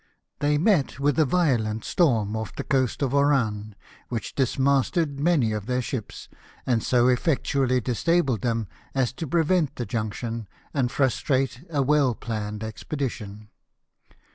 They met with a violent storm off the coast of Oran, which dismasted many of their ships, and so eflectually disabled them as to prevent the junction, and frustrate a well planned expedition.